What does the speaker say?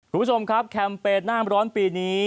คุณผู้ชมครับแคมเปญหน้าร้อนปีนี้